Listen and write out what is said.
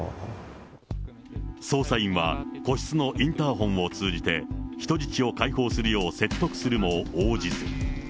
捜査員は個室のインターホンを通じて人質を解放するよう説得するも応じず。